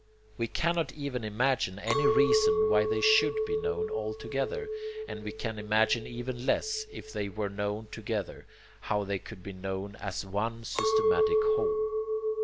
We cannot even imagine any reason why they SHOULD be known all together, and we can imagine even less, if they were known together, how they could be known as one systematic whole.